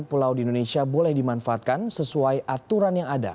pulau di indonesia boleh dimanfaatkan sesuai aturan yang ada